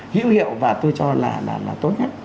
hữu hiệu và tôi cho là tốt nhất